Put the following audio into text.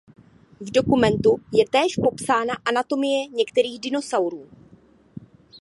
V dokumentu je též popsána anatomie některých dinosaurů.